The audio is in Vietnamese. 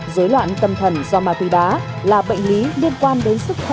dối loạn tâm thần do ma túy đá là bệnh lý liên quan đến sức khỏe